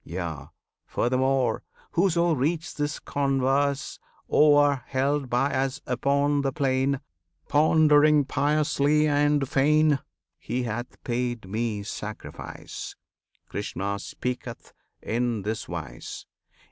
Yea, furthermore, Whoso reads this converse o'er, Held by Us upon the plain, Pondering piously and fain, He hath paid Me sacrifice! (Krishna speaketh in this wise!)